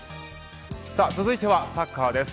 続いてはサッカーです。